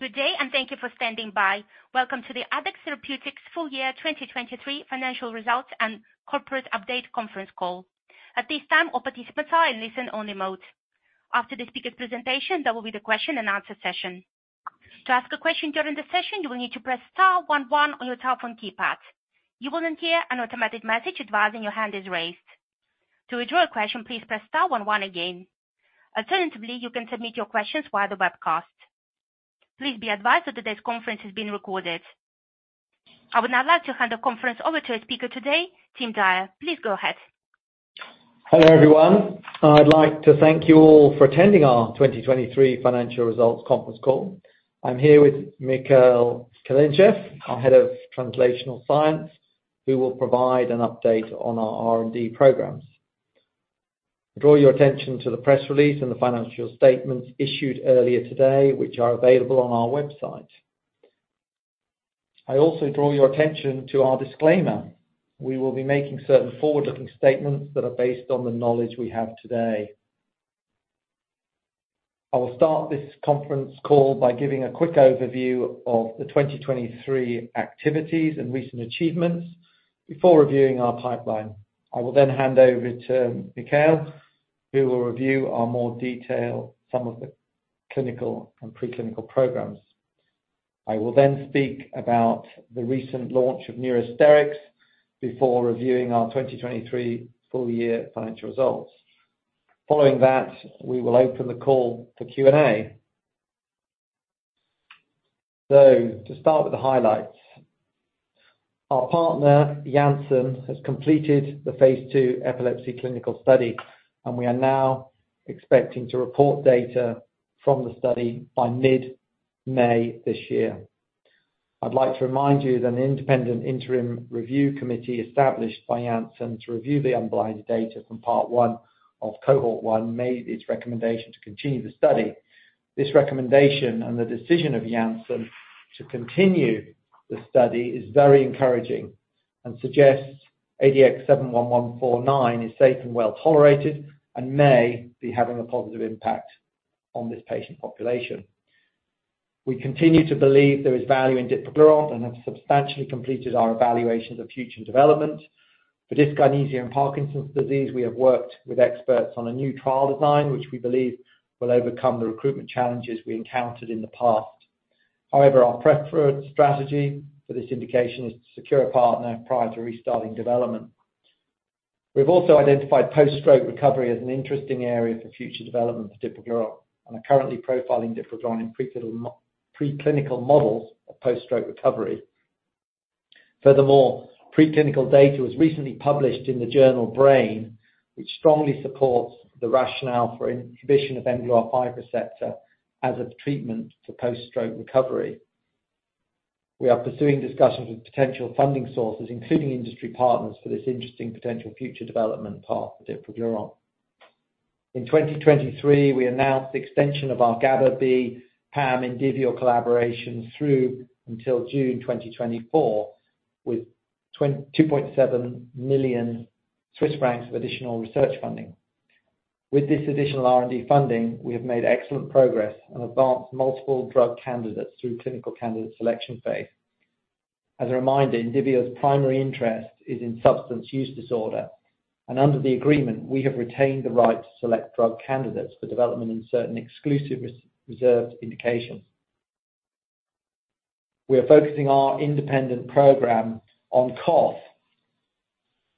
Good day and thank you for standing by. Welcome to the Addex Therapeutics full year 2023 financial results and corporate update conference call. At this time, all participants are in listen-only mode. After the speaker's presentation, there will be the question and answer session. To ask a question during the session, you will need to press star one one on your telephone keypad. You will then hear an automatic message advising your hand is raised. To withdraw a question, please press star one one again. Alternatively, you can submit your questions via the webcast. Please be advised that today's conference is being recorded. I would now like to hand the conference over to our speaker today, Tim Dyer. Please go ahead. Hello, everyone. I'd like to thank you all for attending our 2023 financial results conference call. I'm here with Mikhail Kalinichev, our head of translational science, who will provide an update on our R&D programs. I draw your attention to the press release and the financial statements issued earlier today, which are available on our website. I also draw your attention to our disclaimer. We will be making certain forward-looking statements that are based on the knowledge we have today. I will start this conference call by giving a quick overview of the 2023 activities and recent achievements before reviewing our pipeline. I will then hand over to Mikhail, who will review our more detailed some of the clinical and preclinical programs. I will then speak about the recent launch of Neurosterix before reviewing our 2023 full year financial results. Following that, we will open the call for Q&A. So, to start with the highlights, our partner, Janssen, has completed the phase two epilepsy clinical study, and we are now expecting to report data from the study by mid-May this year. I'd like to remind you that an independent interim review committee established by Janssen to review the underlying data from part one of cohort one made its recommendation to continue the study. This recommendation and the decision of Janssen to continue the study is very encouraging and suggests ADX71149 is safe and well tolerated and may be having a positive impact on this patient population. We continue to believe there is value in Dipraglurant and have substantially completed our evaluations of future development. For dyskinesia and Parkinson's disease, we have worked with experts on a new trial design, which we believe will overcome the recruitment challenges we encountered in the past. However, our preferred strategy for this indication is to secure a partner prior to restarting development. We've also identified post-stroke recovery as an interesting area for future development for Dipraglurant, and are currently profiling Dipraglurant in preclinical models of post-stroke recovery. Furthermore, preclinical data was recently published in the journal Brain, which strongly supports the rationale for inhibition of mGluR5 receptor as a treatment for post-stroke recovery. We are pursuing discussions with potential funding sources, including industry partners, for this interesting potential future development path for Dipraglurant. In 2023, we announced the extension of our GABA-B PAM/Indivior collaboration through until June 2024 with 2.7 million Swiss francs of additional research funding. With this additional R&D funding, we have made excellent progress and advanced multiple drug candidates through clinical candidate selection phase. As a reminder, Indivior's primary interest is in substance use disorder, and under the agreement, we have retained the right to select drug candidates for development in certain exclusive reserved indications. We are focusing our independent program on cough.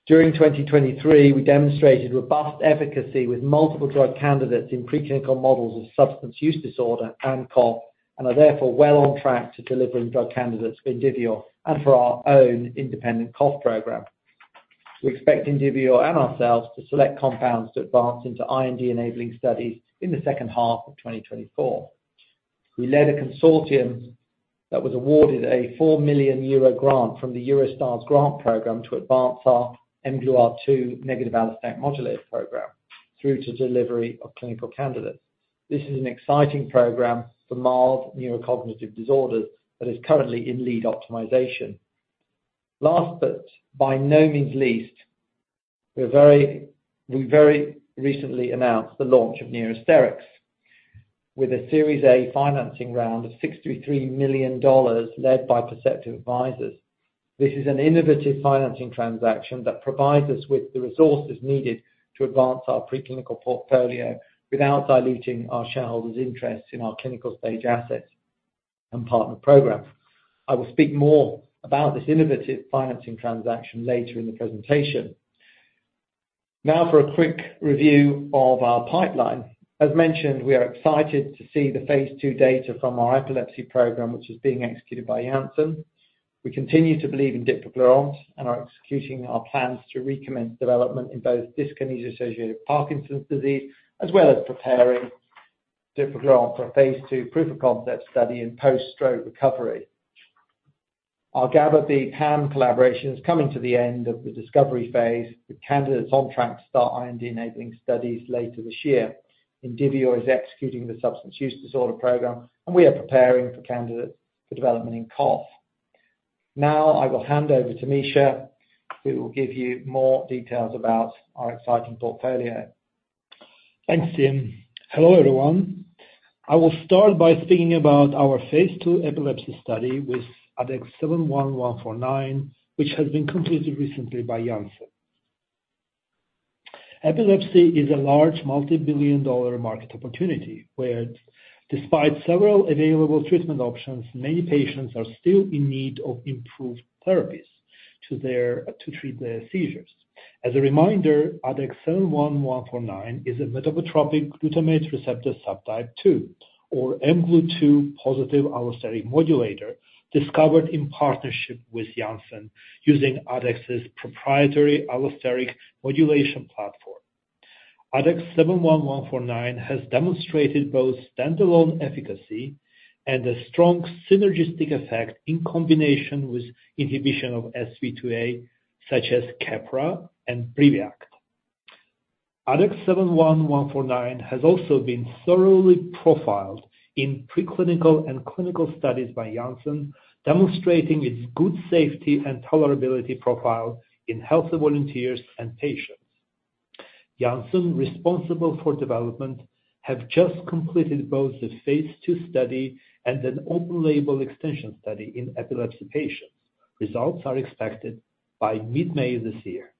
During 2023, we demonstrated robust efficacy with multiple drug candidates in preclinical models of substance use disorder and cough and are therefore well on track to delivering drug candidates for Indivior and for our own independent cough program. We expect Indivior and ourselves to select compounds to advance into IND-enabling studies in the second half of 2024. We led a consortium that was awarded a 4 million euro grant from the Eurostars grant program to advance our mGluR2 negative allosteric modulator program through to delivery of clinical candidates. This is an exciting program for mild neurocognitive disorders that is currently in lead optimization. Last but by no means least, we very recently announced the launch of Neurosterix with a Series A financing round of $63 million led by Perceptive Advisors. This is an innovative financing transaction that provides us with the resources needed to advance our preclinical portfolio without diluting our shareholders' interests in our clinical stage assets and partner programs. I will speak more about this innovative financing transaction later in the presentation. Now for a quick review of our pipeline. As mentioned, we are excited to see the phase II data from our epilepsy program, which is being executed by Janssen. We continue to believe in Dipraglurant and are executing our plans to recommence development in both dyskinesia-associated Parkinson's disease as well as preparing Dipraglurant for a phase II proof of concept study in post-stroke recovery. Our GABA-B PAM collaboration is coming to the end of the discovery phase with candidates on track to start IND-enabling studies later this year. Indivior is executing the substance use disorder program, and we are preparing for candidates for development in cough. Now I will hand over to Misha, who will give you more details about our exciting portfolio. Thanks, Tim. Hello, everyone. I will start by speaking about our phase II epilepsy study with ADX71149, which has been completed recently by Janssen. Epilepsy is a large multi-billion-dollar market opportunity where, despite several available treatment options, many patients are still in need of improved therapies to treat their seizures. As a reminder, ADX71149 is a metabotropic glutamate receptor subtype 2, or mGluR2-positive allosteric modulator, discovered in partnership with Janssen using ADX's proprietary allosteric modulation platform. ADX71149 has demonstrated both standalone efficacy and a strong synergistic effect in combination with inhibition of SV2A, such as Keppra and BRIVIACT. ADX71149 has also been thoroughly profiled in preclinical and clinical studies by Janssen, demonstrating its good safety and tolerability profile in healthy volunteers and patients. Janssen and the responsible for development have just completed both the phase II study and an open-label extension study in epilepsy patients. Results are expected by mid-May this year.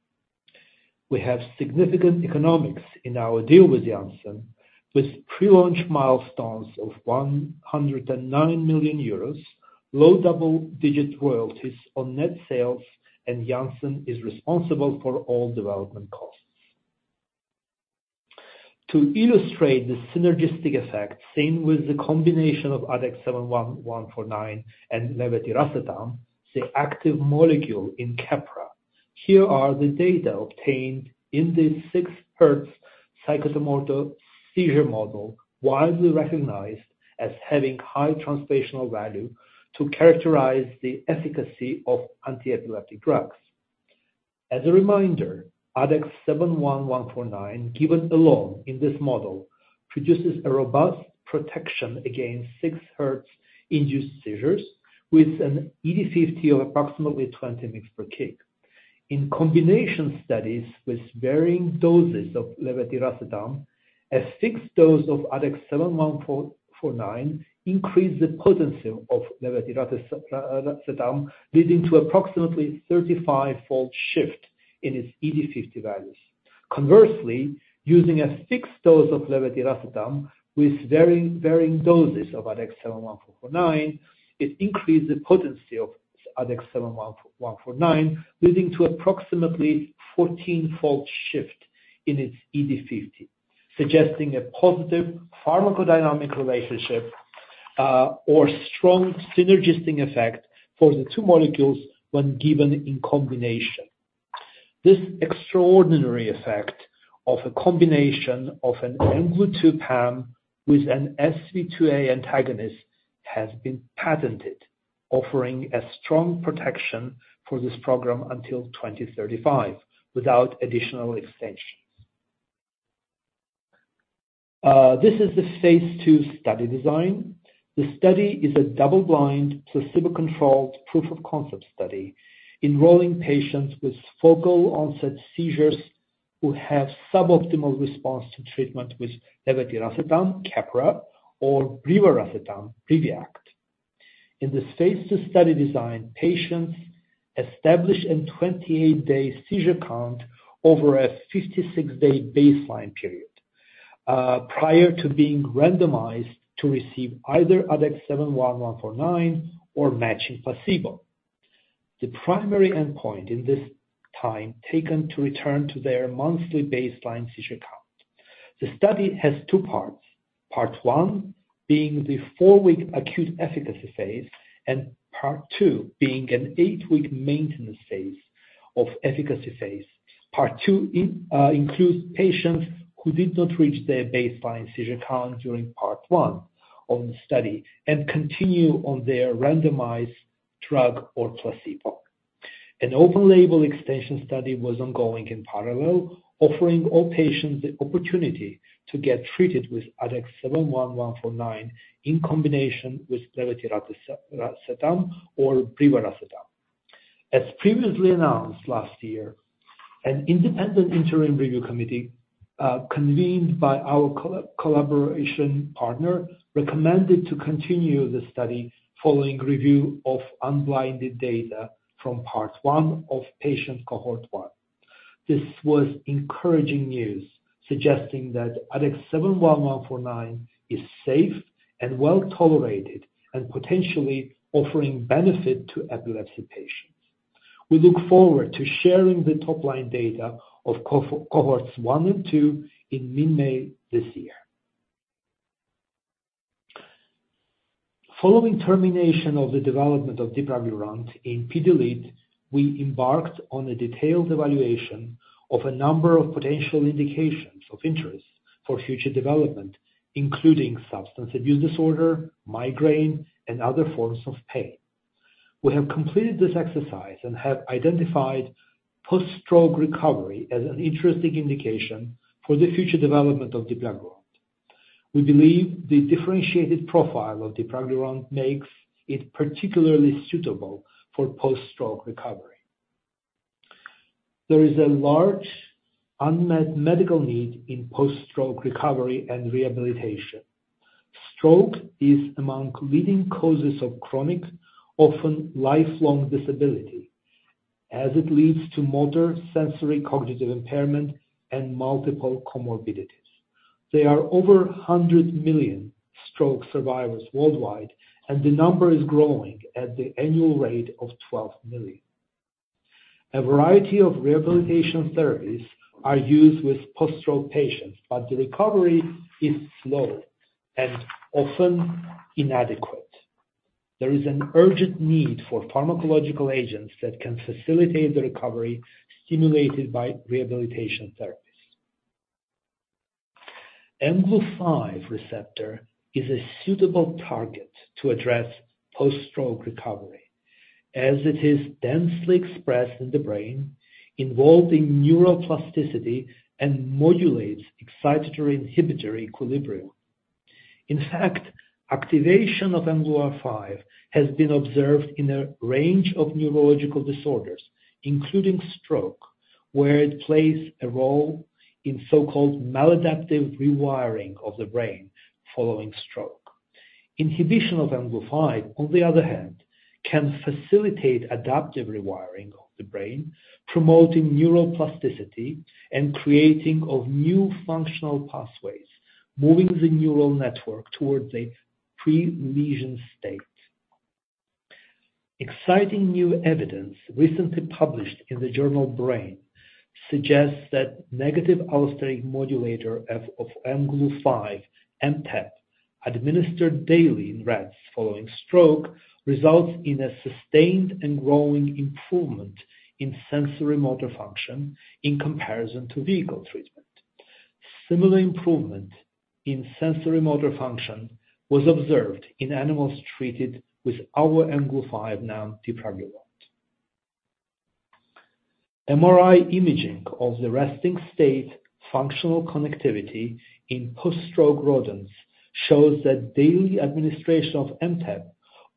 We have significant economics in our deal with Janssen, with pre-launch milestones of 109 million euros, low double-digit royalties on net sales, and Janssen is responsible for all development costs. To illustrate the synergistic effect seen with the combination of ADX71149 and levetiracetam, the active molecule in Keppra, here are the data obtained in the 6-Hz psychomotor seizure model, widely recognized as having high translational value, to characterize the efficacy of anti-epileptic drugs. As a reminder, ADX71149, given alone in this model, produces a robust protection against 6-Hz induced seizures with an ED50 of approximately 20 mg/kg. In combination studies with varying doses of levetiracetam, a fixed dose of ADX71149 increased the potency of levetiracetam, leading to an approximately 35-fold shift in its ED50 values. Conversely, using a fixed dose of levetiracetam with varying doses of ADX71149, it increased the potency of ADX71149, leading to an approximately 14-fold shift in its ED50, suggesting a positive pharmacodynamic relationship or strong synergistic effect for the two molecules when given in combination. This extraordinary effect of a combination of an mGluR2 PAM with an SV2A antagonist has been patented, offering a strong protection for this program until 2035 without additional extensions. This is the phase II study design. The study is a double-blind, placebo-controlled proof of concept study enrolling patients with focal onset seizures who have suboptimal response to treatment with levetiracetam, Keppra, or BRIVIACT. In this phase II study design, patients established a 28-day seizure count over a 56-day baseline period prior to being randomized to receive either ADX71149 or matching placebo. The primary endpoint in this time taken to return to their monthly baseline seizure count. The study has two parts, part one being the four-week acute efficacy phase and part two being an eight-week maintenance phase of efficacy phase. Part two includes patients who did not reach their baseline seizure count during part one of the study and continue on their randomized drug or placebo. An open-label extension study was ongoing in parallel, offering all patients the opportunity to get treated with ADX71149 in combination with levetiracetam or BRIVIACT. As previously announced last year, an independent interim review committee convened by our collaboration partner recommended to continue the study following review of unblinded data from part one of patient cohort one. This was encouraging news, suggesting that ADX71149 is safe and well tolerated and potentially offering benefit to epilepsy patients. We look forward to sharing the top-line data of cohorts one and two in mid-May this year. Following termination of the development of Dipraglurant PD-LID, we embarked on a detailed evaluation of a number of potential indications of interest for future development, including substance abuse disorder, migraine, and other forms of pain. We have completed this exercise and have identified post-stroke recovery as an interesting indication for the future development of Dipraglurant. We believe the differentiated profile of Dipraglurant makes it particularly suitable for post-stroke recovery. There is a large unmet medical need in post-stroke recovery and rehabilitation. Stroke is among leading causes of chronic, often lifelong disability, as it leads to motor, sensory, cognitive impairment, and multiple comorbidities. There are over 100 million stroke survivors worldwide, and the number is growing at the annual rate of 12 million. A variety of rehabilitation therapies are used with post-stroke patients, but the recovery is slow and often inadequate. There is an urgent need for pharmacological agents that can facilitate the recovery stimulated by rehabilitation therapies. mGluR5 receptor is a suitable target to address post-stroke recovery, as it is densely expressed in the brain, involving neuroplasticity, and modulates excitatory inhibitory equilibrium. In fact, activation of mGluR5 has been observed in a range of neurological disorders, including stroke, where it plays a role in so-called maladaptive rewiring of the brain following stroke. Inhibition of mGluR5, on the other hand, can facilitate adaptive rewiring of the brain, promoting neuroplasticity and creating new functional pathways, moving the neural network towards a pre-lesion state. Exciting new evidence recently published in the journal Brain suggests that negative allosteric modulator of mGluR5, MTEP, administered daily in rats following stroke results in a sustained and growing improvement in sensory motor function in comparison to vehicle treatment. Similar improvement in sensory motor function was observed in animals treated with our mGluR5 NAM, Dipraglurant. MRI imaging of the resting state functional connectivity in post-stroke rodents shows that daily administration of MTEP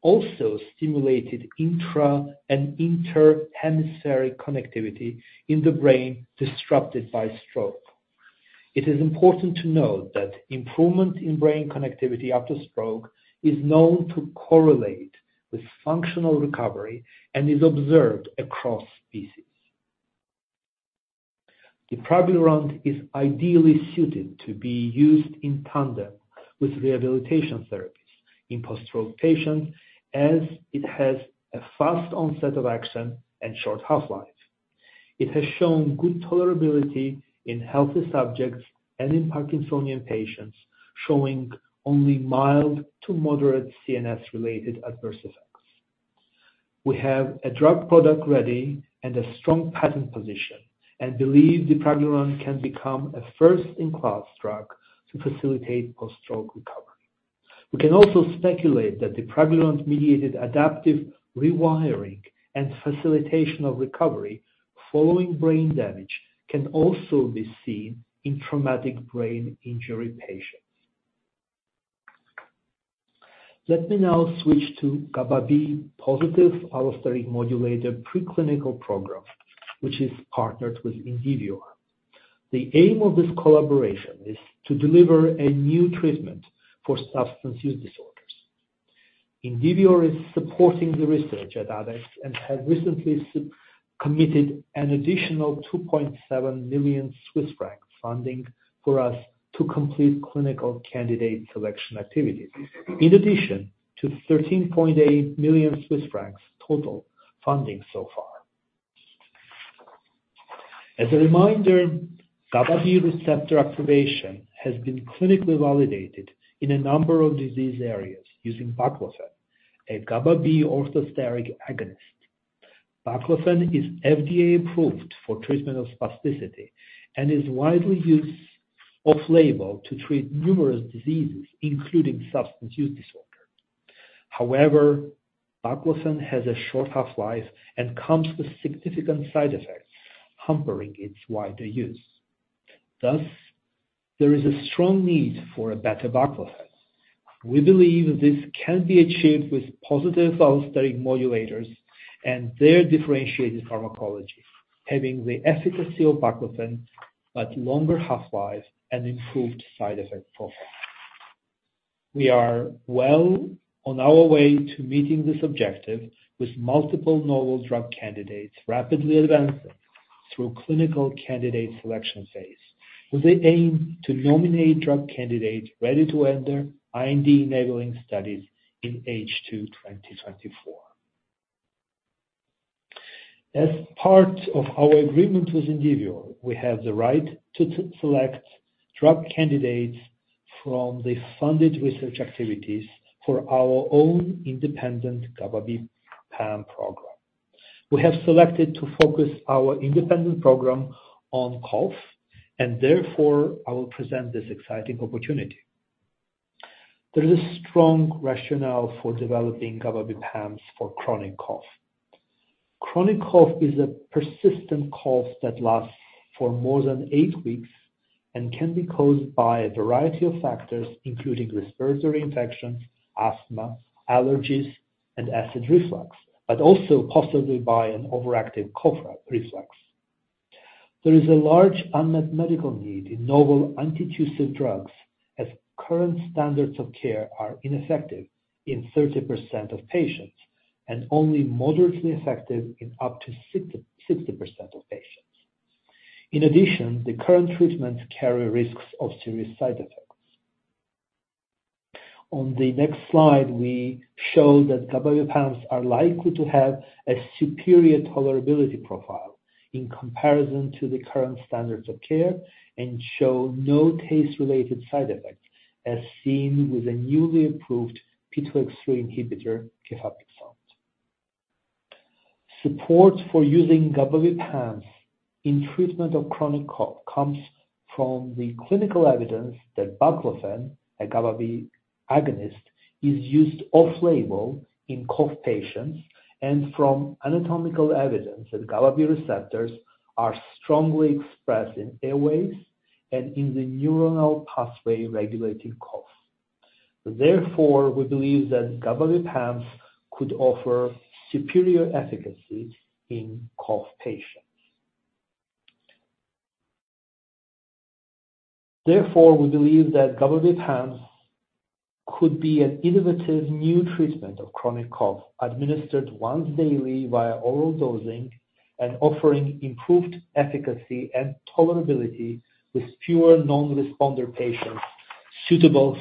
also stimulated intra and interhemispheric connectivity in the brain disrupted by stroke. It is important to note that improvement in brain connectivity after stroke is known to correlate with functional recovery and is observed across species. Dipraglurant is ideally suited to be used in tandem with rehabilitation therapies in post-stroke patients, as it has a fast onset of action and short half-life. It has shown good tolerability in healthy subjects and in Parkinsonian patients, showing only mild to moderate CNS-related adverse effects. We have a drug product ready and a strong patent position and believe Dipraglurant can become a first-in-class drug to facilitate post-stroke recovery. We can also speculate that Dipraglurant-mediated adaptive rewiring and facilitation of recovery following brain damage can also be seen in traumatic brain injury patients. Let me now switch to GABA-B positive allosteric modulator preclinical program, which is partnered with Indivior. The aim of this collaboration is to deliver a new treatment for substance use disorders. Indivior is supporting the research at ADX and has recently committed an additional EUR 2.7 million funding for us to complete clinical candidate selection activities, in addition to EUR 13.8 million total funding so far. As a reminder, GABA-B receptor activation has been clinically validated in a number of disease areas using baclofen, a GABA-B orthosteric agonist. Baclofen is FDA-approved for treatment of spasticity and is widely used off-label to treat numerous diseases, including substance use disorder. However, baclofen has a short half-life and comes with significant side effects, hampering its wider use. Thus, there is a strong need for a better baclofen. We believe this can be achieved with positive allosteric modulators and their differentiated pharmacology, having the efficacy of baclofen but longer half-life and improved side effect profile. We are well on our way to meeting this objective with multiple novel drug candidates rapidly advancing through clinical candidate selection phase, with the aim to nominate drug candidates ready to enter IND-enabling studies in H2 2024. As part of our agreement with Indivior, we have the right to select drug candidates from the funded research activities for our own independent GABA-B PAM program. We have selected to focus our independent program on cough, and therefore I will present this exciting opportunity. There is a strong rationale for developing GABA-B PAMs for chronic cough. Chronic cough is a persistent cough that lasts for more than eight weeks and can be caused by a variety of factors, including respiratory infections, asthma, allergies, and acid reflux, but also possibly by an overactive cough reflex. There is a large unmet medical need in novel antitussive drugs, as current standards of care are ineffective in 30% of patients and only moderately effective in up to 60% of patients. In addition, the current treatments carry risks of serious side effects. On the next slide, we show that GABA-B PAMs are likely to have a superior tolerability profile in comparison to the current standards of care and show no taste-related side effects, as seen with a newly approved pituitary inhibitor, gefapixant. Support for using GABA-B PAMs in treatment of chronic cough comes from the clinical evidence that baclofen, a GABA-B agonist, is used off-label in cough patients and from anatomical evidence that GABA-B receptors are strongly expressed in airways and in the neuronal pathway regulating cough. Therefore, we believe that GABA-B PAMs could offer superior efficacy in cough patients. Therefore, we believe that GABA-B PAMs could be an innovative new treatment of chronic cough, administered once daily via oral dosing and offering improved efficacy and tolerability with fewer non-responder patients, suitable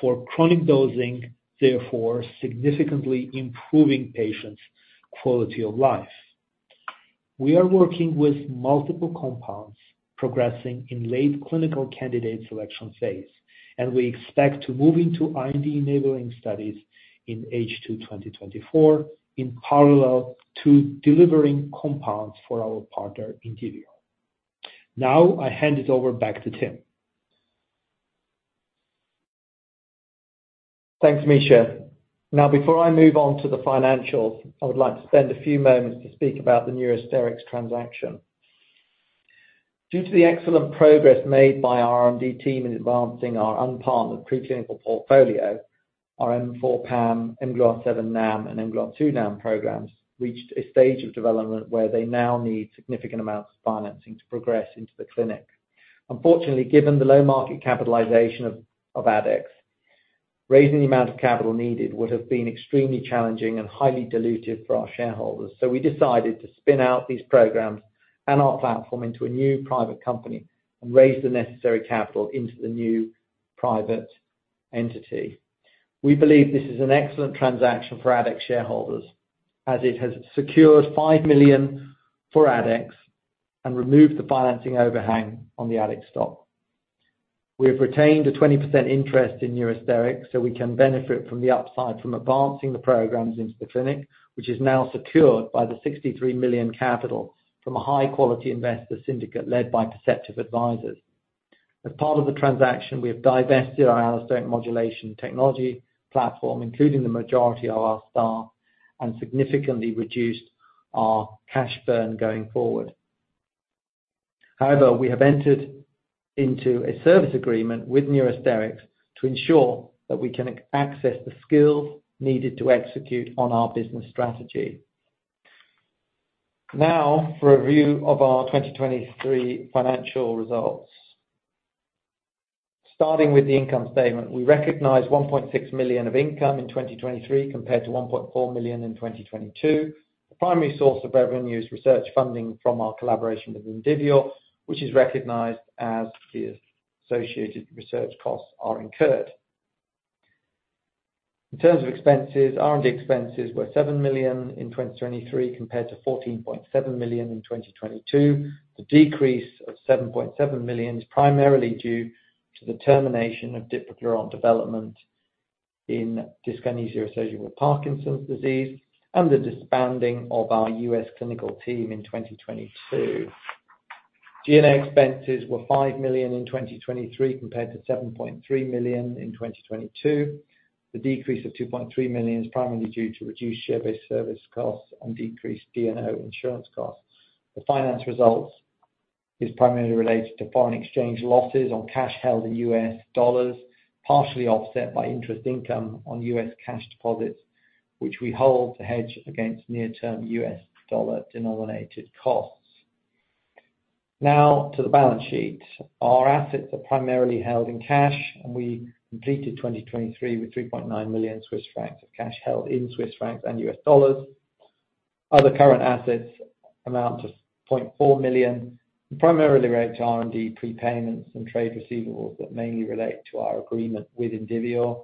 for chronic dosing, therefore significantly improving patients' quality of life. We are working with multiple compounds progressing in late clinical candidate selection phase, and we expect to move into IND-enabling studies in H2 2024 in parallel to delivering compounds for our partner Indivior. Now I hand it over back to Tim. Thanks, Misha. Now, before I move on to the financials, I would like to spend a few moments to speak about the Neurosterix transaction. Due to the excellent progress made by our R&D team in advancing our unpartnered preclinical portfolio, our M4 PAM, mGluR7 NAM, and mGluR2 NAM programs reached a stage of development where they now need significant amounts of financing to progress into the clinic. Unfortunately, given the low market capitalization of ADX, raising the amount of capital needed would have been extremely challenging and highly dilutive for our shareholders, so we decided to spin out these programs and our platform into a new private company and raise the necessary capital into the new private entity. We believe this is an excellent transaction for ADX shareholders, as it has secured 5 million for ADX and removed the financing overhang on the ADX stock. We have retained a 20% interest in Neurosterix, so we can benefit from the upside from advancing the programs into the clinic, which is now secured by the 63 million capital from a high-quality investor syndicate led by Perceptive Advisors. As part of the transaction, we have divested our allosteric modulation technology platform, including the majority of our staff, and significantly reduced our cash burn going forward. However, we have entered into a service agreement with Neurosterix to ensure that we can access the skills needed to execute on our business strategy. Now, for a view of our 2023 financial results. Starting with the income statement, we recognize 1.6 million of income in 2023 compared to 1.4 million in 2022. The primary source of revenue is research funding from our collaboration with Indivior, which is recognized as the associated research costs are incurred. In terms of expenses, R&D expenses were 7 million in 2023 compared to 14.7 million in 2022. The decrease of 7.7 million is primarily due to the termination of Dipraglurant development in dyskinesia associated with Parkinson's disease and the disbanding of our U.S. clinical team in 2022. G&A expenses were 5 million in 2023 compared to 7.3 million in 2022. The decrease of 2.3 million is primarily due to reduced share-based service costs and decreased D&O insurance costs. The finance results are primarily related to foreign exchange losses on cash held in US dollars, partially offset by interest income on US cash deposits, which we hold to hedge against near-term US dollar denominated costs. Now, to the balance sheet. Our assets are primarily held in cash, and we completed 2023 with EUR 3.9 million of cash held in Swiss francs and US dollars. Other current assets amount to 0.4 million, primarily related to R&D prepayments and trade receivables that mainly relate to our agreement with Indivior.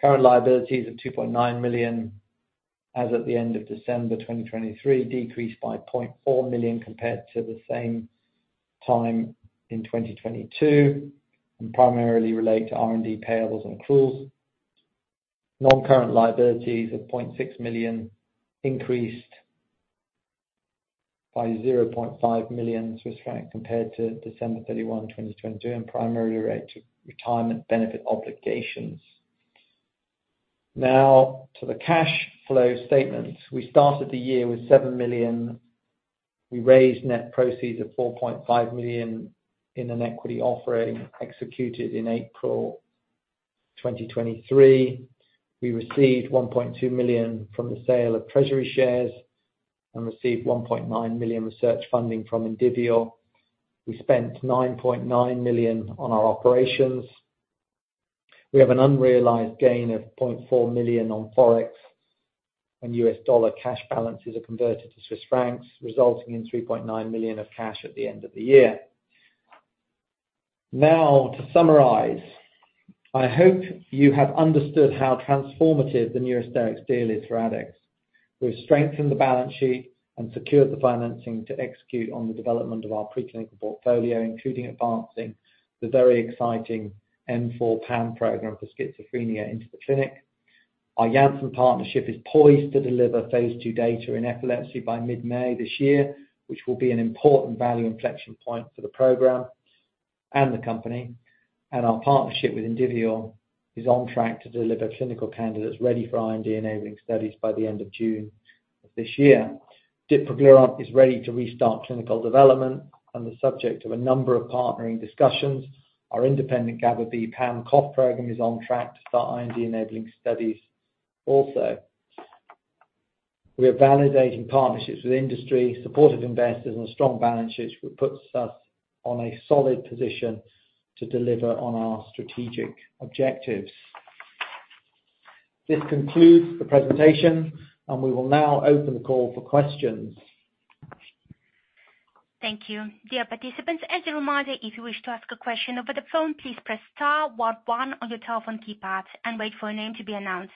Current liabilities are 2.9 million as at the end of December 2023, decreased by 0.4 million compared to the same time in 2022, and primarily relate to R&D payables and accruals. Non-current liabilities are 0.6 million, increased by EUR 0.5 million compared to December 31, 2022, and primarily related to retirement benefit obligations. Now, to the cash flow statements. We started the year with 7 million. We raised net proceeds of 4.5 million in an equity offering executed in April 2023. We received 1.2 million from the sale of treasury shares and received 1.9 million research funding from Indivior. We spent 9.9 million on our operations. We have an unrealized gain of 0.4 million on forex when US dollar cash balances are converted to Swiss francs, resulting in 3.9 million of cash at the end of the year. Now, to summarize, I hope you have understood how transformative the Neurosterix deal is for ADX. We have strengthened the balance sheet and secured the financing to execute on the development of our preclinical portfolio, including advancing the very exciting M4 PAM program for schizophrenia into the clinic. Our Janssen partnership is poised to deliver phase II data in epilepsy by mid-May this year, which will be an important value inflection point for the program and the company. Our partnership with Indivior is on track to deliver clinical candidates ready for IND-enabling studies by the end of June of this year. Dipraglurant is ready to restart clinical development and the subject of a number of partnering discussions. Our independent GABA-B PAM cough program is on track to start IND-enabling studies also. We are validating partnerships with industry, supportive investors, and a strong balance sheet, which puts us on a solid position to deliver on our strategic objectives. This concludes the presentation, and we will now open the call for questions. Thank you. Dear participants, as a reminder, if you wish to ask a question over the phone, please press star one one on your telephone keypad and wait for a name to be announced.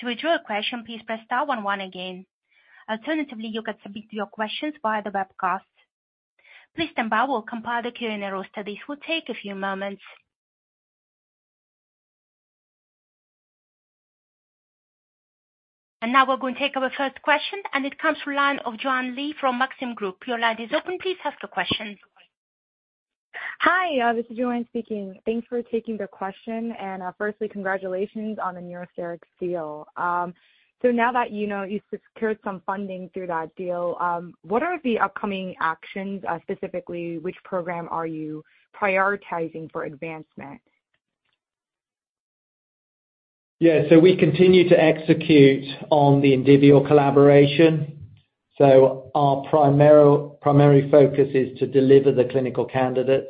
To withdraw a question, please press star one one again. Alternatively, you can submit your questions via the webcast. Please stand by. We'll compile the Q&A roster. This will take a few moments. And now we're going to take our first question, and it comes from Joanne Lee from Maxim Group. Your line is open. Please ask your question. Hi, this is Joanne speaking. Thanks for taking the question. And firstly, congratulations on the Neurosterix deal. So now that you secured some funding through that deal, what are the upcoming actions? Specifically, which program are you prioritizing for advancement? Yeah. So we continue to execute on the Indivior collaboration. So our primary focus is to deliver the clinical candidates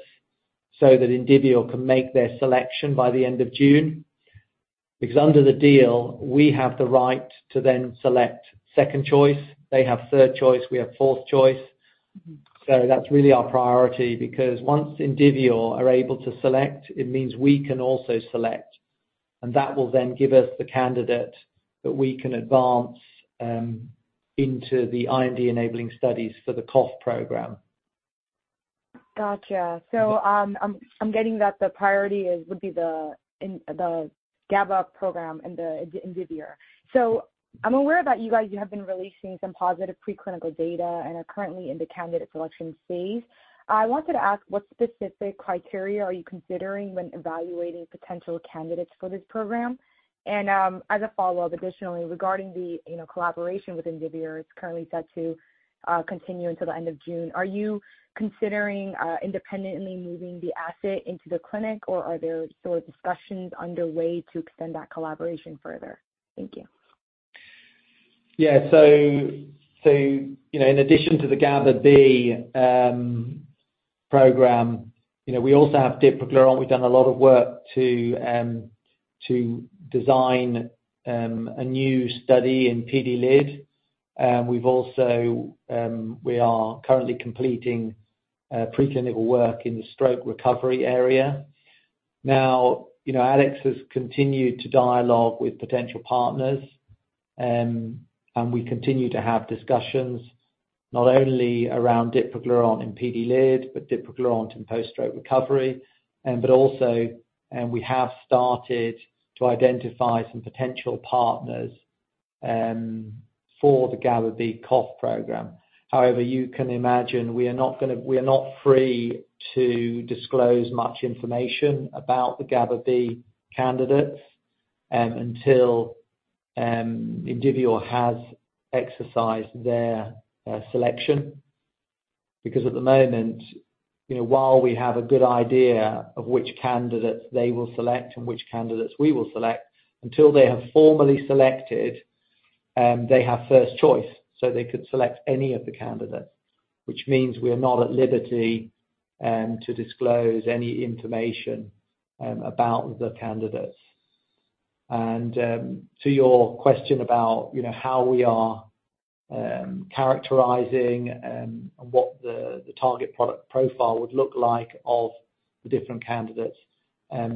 so that Indivior can make their selection by the end of June. Because under the deal, we have the right to then select second choice. They have third choice. We have fourth choice. So that's really our priority because once Indivior are able to select, it means we can also select. And that will then give us the candidate that we can advance into the IND-enabling studies for the cough program. Gotcha. So I'm getting that the priority would be the GABA program and the Indivior. So I'm aware that you guys have been releasing some positive preclinical data and are currently in the candidate selection phase. I wanted to ask, what specific criteria are you considering when evaluating potential candidates for this program? As a follow-up, additionally, regarding the collaboration with Indivior, it's currently set to continue until the end of June. Are you considering independently moving the asset into the clinic, or are there sort of discussions underway to extend that collaboration further? Thank you. Yeah. So in addition to the GABA-B program, we also have Dipraglurant. We've done a lot of work to design a new study in PD-LID. We are currently completing preclinical work in the stroke recovery area. Now, ADX has continued to dialogue with potential partners, and we continue to have discussions not only around Dipraglurant in PD-LID but Dipraglurant in post-stroke recovery. But also, we have started to identify some potential partners for the GABA-B cough program. However, you can imagine we are not free to disclose much information about the GABA-B candidates until Indivior has exercised their selection. Because at the moment, while we have a good idea of which candidates they will select and which candidates we will select, until they have formally selected, they have first choice. So they could select any of the candidates, which means we are not at liberty to disclose any information about the candidates. And to your question about how we are characterising and what the target product profile would look like of the different candidates, that's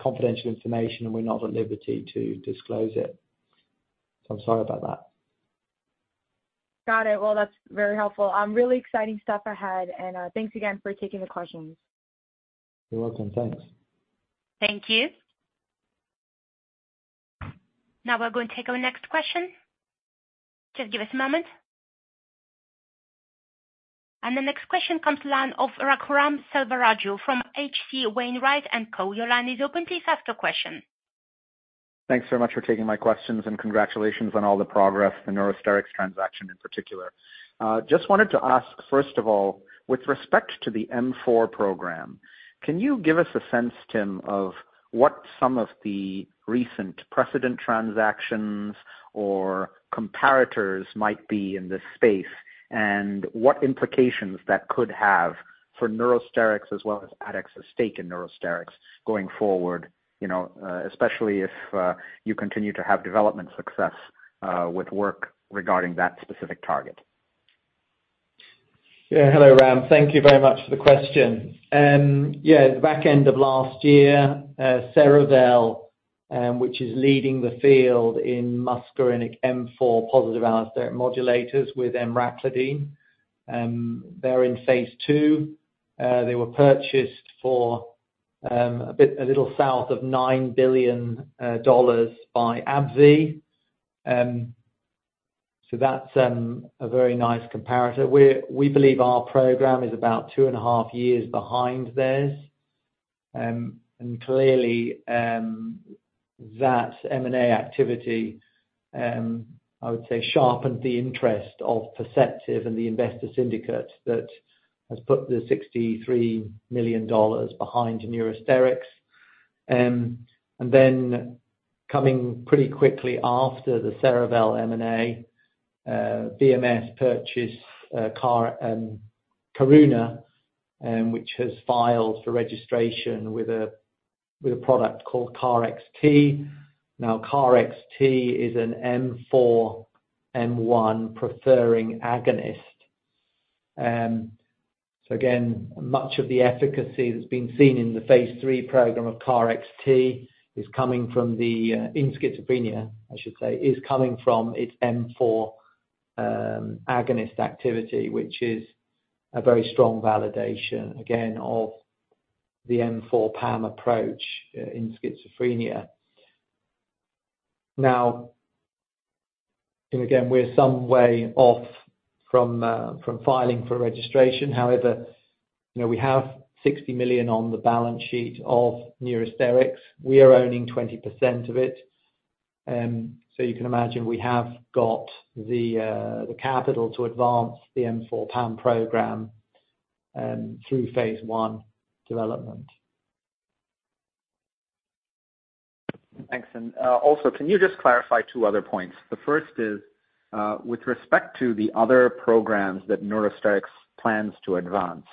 confidential information, and we're not at liberty to disclose it. So I'm sorry about that. Got it. Well, that's very helpful. Really exciting stuff ahead. And thanks again for taking the questions. You're welcome. Thanks. Thank you. Now, we're going to take our next question. Just give us a moment. And the next question comes from Raghuram Selvaraju from H.C. Wainwright & Co. Your line is open. Please ask your question. Thanks very much for taking my questions and congratulations on all the progress, the Neurosterix transaction in particular. Just wanted to ask, first of all, with respect to the M4 program, can you give us a sense, Tim, of what some of the recent precedent transactions or comparators might be in this space and what implications that could have for Neurosterix as well as ADX's stake in Neurosterix going forward, especially if you continue to have development success with work regarding that specific target? Yeah. Hello, Ram. Thank you very much for the question. Yeah. At the back end of last year, Cerevel, which is leading the field in muscarinic M4 positive allosteric modulators with emraclidine, they're in phase II. They were purchased for a little south of $9 billion by AbbVie. So that's a very nice comparator. We believe our program is about 2.5 years behind theirs. Clearly, that M&A activity, I would say, sharpened the interest of Perceptive and the investor syndicate that has put the $63 million behind Neurosterix. Then coming pretty quickly after the Cerevel M&A, BMS purchased Karuna, which has filed for registration with a product called KarXT. Now, KarXT is an M4-M1 preferring agonist. So again, much of the efficacy that's been seen in the phase III program of KarXT is coming from the in schizophrenia, I should say, is coming from its M4 agonist activity, which is a very strong validation, again, of the M4 PAM approach in schizophrenia. Now, again, we're some way off from filing for registration. However, we have $60 million on the balance sheet of Neurosterix. We are owning 20% of it. So you can imagine we have got the capital to advance the M4 PAM program through phase I development. Excellent. Also, can you just clarify two other points? The first is with respect to the other programs that Neurosterix plans to advance,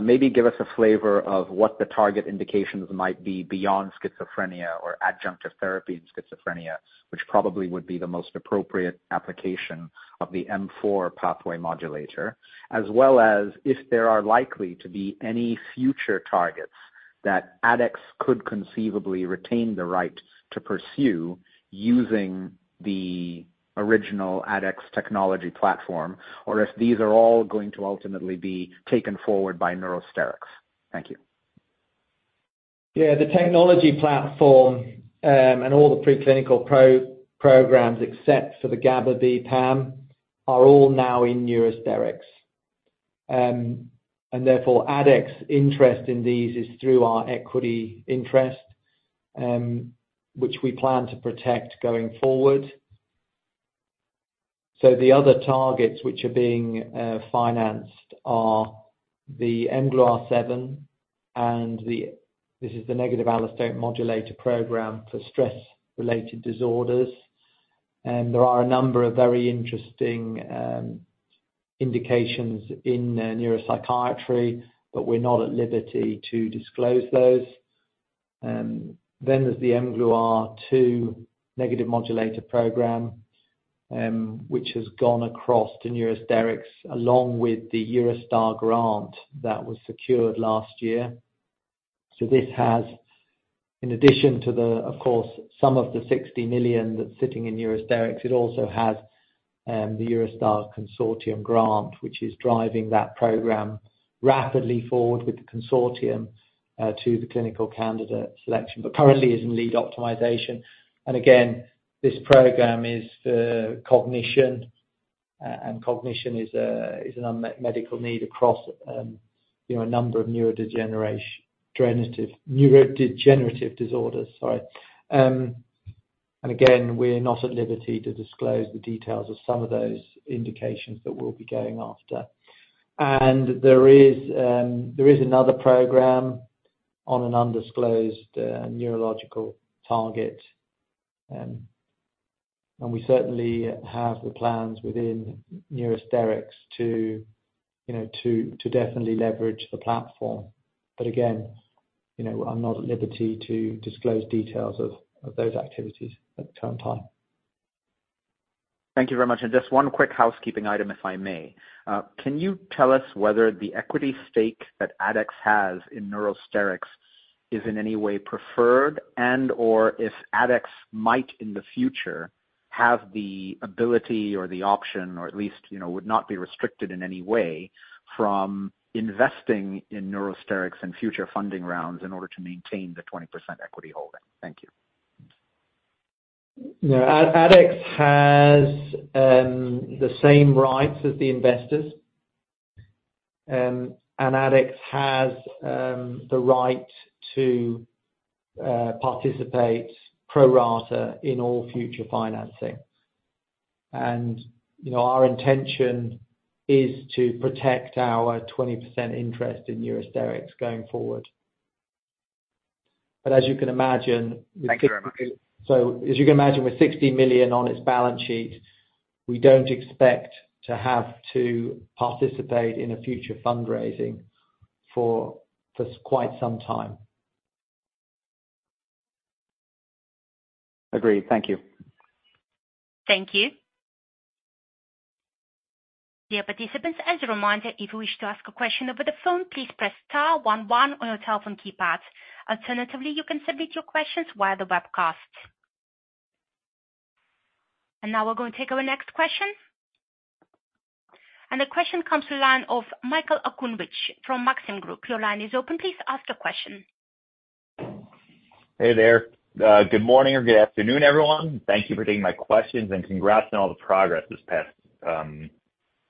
maybe give us a flavor of what the target indications might be beyond schizophrenia or adjunctive therapy in schizophrenia, which probably would be the most appropriate application of the M4 pathway modulator, as well as if there are likely to be any future targets that ADX could conceivably retain the right to pursue using the original ADX technology platform or if these are all going to ultimately be taken forward by Neurosterix. Thank you. Yeah. The technology platform and all the preclinical programs except for the GABA-B PAM are all now in Neurosterix. And therefore, ADX's interest in these is through our equity interest, which we plan to protect going forward. So the other targets which are being financed are the mGluR7, and this is the negative allosteric modulator program for stress-related disorders. And there are a number of very interesting indications in neuropsychiatry, but we're not at liberty to disclose those. Then there's the mGluR2 negative modulator program, which has gone across to Neurosterix along with the Eurostars grant that was secured last year. So this has, in addition to the, of course, some of the $60 million that's sitting in Neurosterix, it also has the Eurostars consortium grant, which is driving that program rapidly forward with the consortium to the clinical candidate selection but currently is in lead optimization. And again, this program is for cognition. And cognition is an unmet medical need across a number of neurodegenerative neurodegenerative disorders, sorry. And again, we're not at liberty to disclose the details of some of those indications that we'll be going after. And there is another program on an undisclosed neurological target. And we certainly have the plans within Neurosterix to definitely leverage the platform. But again, I'm not at liberty to disclose details of those activities at the current time. Thank you very much. And just one quick housekeeping item, if I may. Can you tell us whether the equity stake that ADX has in Neurosterix is in any way preferred and/or if ADX might, in the future, have the ability or the option or at least would not be restricted in any way from investing in Neurosterix and future funding rounds in order to maintain the 20% equity holding? Thank you. No. ADX has the same rights as the investors. ADX has the right to participate pro rata in all future financing. Our intention is to protect our 20% interest in Neurosterix going forward. But as you can imagine, with $60 Thank you, Ram. So as you can imagine, with $60 million on its balance sheet, we don't expect to have to participate in a future fundraising for quite some time. Agreed. Thank you. Thank you. Dear participants, as a reminder, if you wish to ask a question over the phone, please press star one one on your telephone keypad. Alternatively, you can submit your questions via the webcast. And now we're going to take our next question. And the question comes from Michael Okunewitch from Maxim Group. Your line is open. Please ask your question. Hey there. Good morning or good afternoon, everyone. Thank you for taking my questions, and congrats on all the progress this past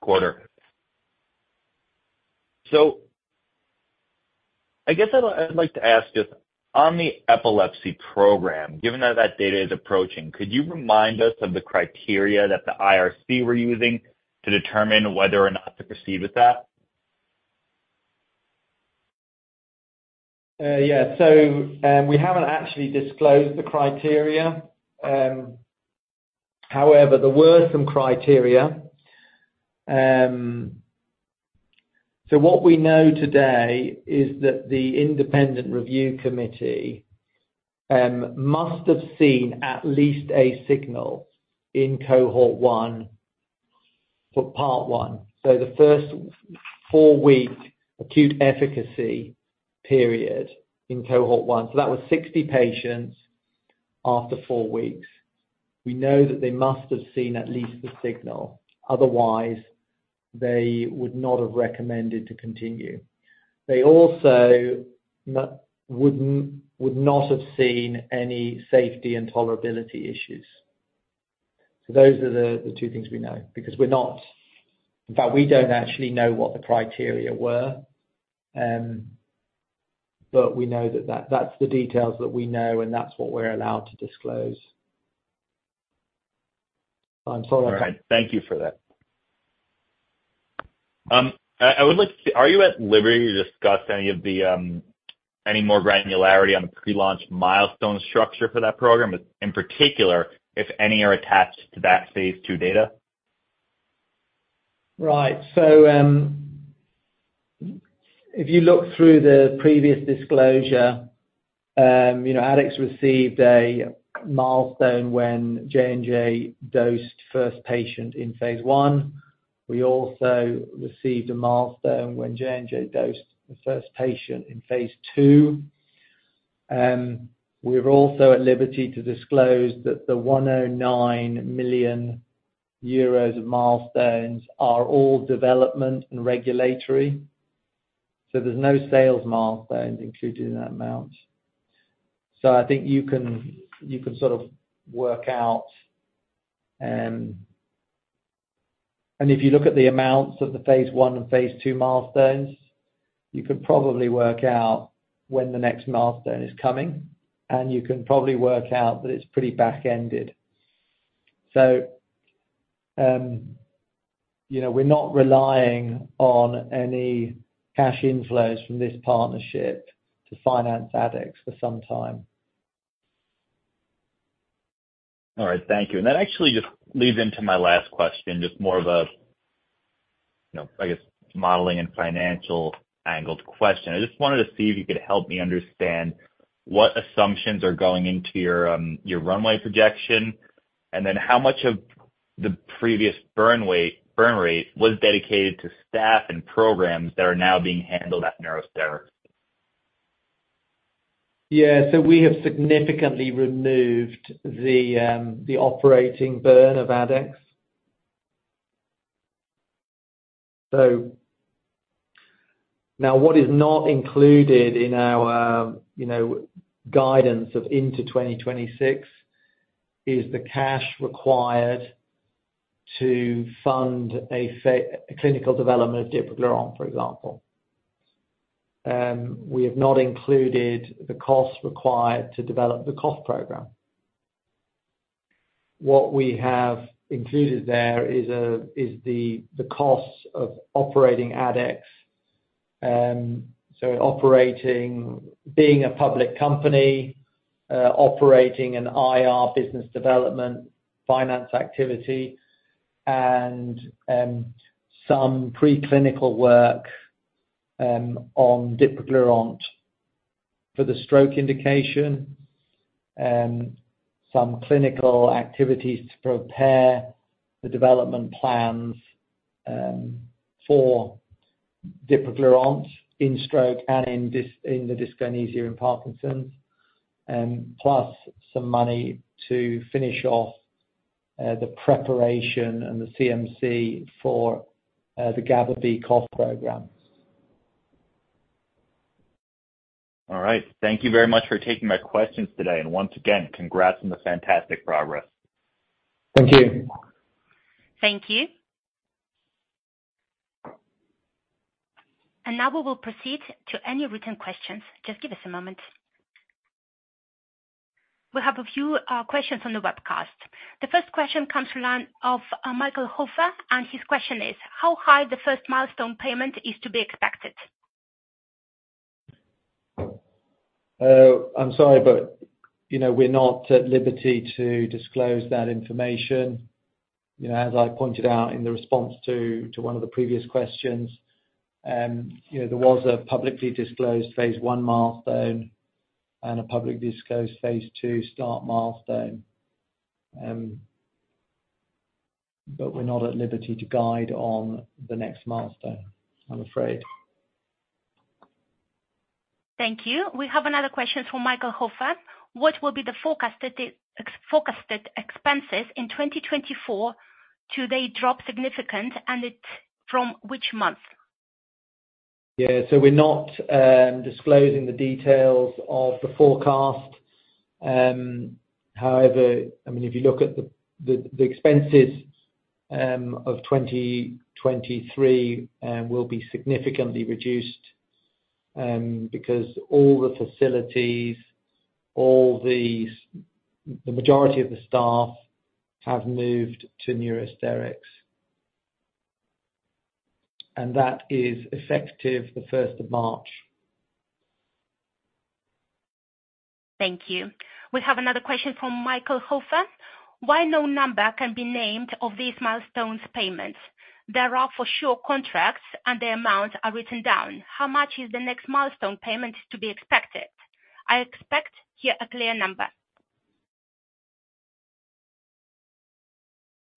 quarter. So I guess I'd like to ask just, on the epilepsy program, given that that data is approaching, could you remind us of the criteria that the IRC were using to determine whether or not to proceed with that? Yeah. So we haven't actually disclosed the criteria. However, there were some criteria. So what we know today is that the independent review committee must have seen at least a signal in cohort 1 for part one. So the first four-week acute efficacy period in cohort 1 so that was 60 patients after four weeks. We know that they must have seen at least the signal. Otherwise, they would not have recommended to continue. They also would not have seen any safety and tolerability issues. So those are the two things we know because we're not in fact, we don't actually know what the criteria were. But we know that that's the details that we know, and that's what we're allowed to disclose. I'm sorry about that. All right. Thank you for that. I would like to are you at liberty to discuss any more granularity on the pre-launch milestone structure for that program, in particular, if any are attached to that phase II data? Right. So if you look through the previous disclosure, ADX received a milestone when J&J dosed first patient in phase one. We also received a milestone when J&J dosed the first patient in phase two. We're also at liberty to disclose that the 109 million euros of milestones are all development and regulatory. So there's no sales milestones included in that amount. So I think you can sort of work out and if you look at the amounts of the phase one and phase two milestones, you can probably work out when the next milestone is coming. And you can probably work out that it's pretty back-ended. So we're not relying on any cash inflows from this partnership to finance ADX for some time. All right. Thank you. And that actually just leads into my last question, just more of a, I guess, modeling and financial angle question. I just wanted to see if you could help me understand what assumptions are going into your runway projection and then how much of the previous burn rate was dedicated to staff and programs that are now being handled at Neurosterix? Yeah. So we have significantly removed the operating burn of ADX. So now, what is not included in our guidance out into 2026 is the cash required to fund a clinical development of dipraglurant, for example. We have not included the cost required to develop the PAM program. What we have included there is the costs of operating ADX, so being a public company, operating an IR business development finance activity, and some preclinical work on dipraglurant for the stroke indication, some clinical activities to prepare the development plans for dipraglurant in stroke and in the dyskinesia and Parkinson's, plus some money to finish off the preparation and the CMC for the GABA-B PAM program. All right. Thank you very much for taking my questions today. And once again, congrats on the fantastic progress. Thank you. Thank you. And now we will proceed to any written questions. Just give us a moment. We have a few questions on the webcast. The first question comes from Michael Hofer. His question is, how high the first milestone payment is to be expected? I'm sorry, but we're not at liberty to disclose that information. As I pointed out in the response to one of the previous questions, there was a publicly disclosed phase one milestone and a publicly disclosed phase two start milestone. But we're not at liberty to guide on the next milestone, I'm afraid. Thank you. We have another question from Michael Hofer. What will be the forecasted expenses in 2024 do they drop significantly, and from which month? Yeah. So we're not disclosing the details of the forecast. However, I mean, if you look at the expenses of 2023, will be significantly reduced because all the facilities, the majority of the staff have moved to Neurosterix. That is effective the 1st of March. Thank you. We have another question from Michael Hofer. Why no number can be named of these milestones payments? There are for sure contracts, and their amounts are written down. How much is the next milestone payment to be expected? I expect to hear a clear number.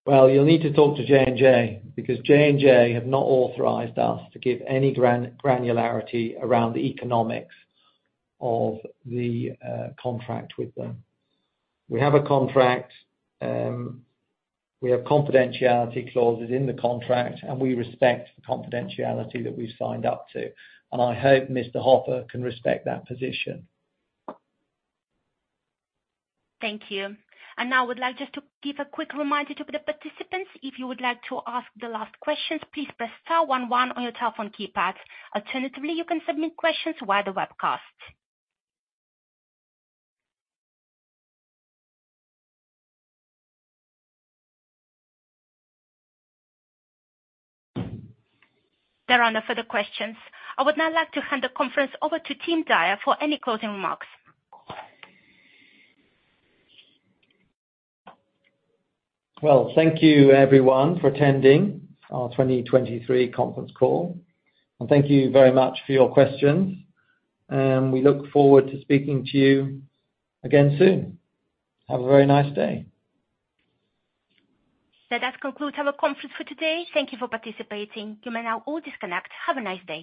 Well, you'll need to talk to J&J because J&J have not authorized us to give any granularity around the economics of the contract with them. We have a contract. We have confidentiality clauses in the contract, and we respect the confidentiality that we've signed up to. And I hope Mr. Hofer can respect that position. Thank you. And now I would like just to give a quick reminder to the participants. If you would like to ask the last questions, please press star 11 on your telephone keypad. Alternatively, you can submit questions via the webcast. There are no further questions. I would now like to hand the conference over to Tim Dyer, for any closing remarks. Well, thank you, everyone, for attending our 2023 conference call. Thank you very much for your questions. We look forward to speaking to you again soon. Have a very nice day. That concludes our conference for today. Thank you for participating. You may now all disconnect. Have a nice day.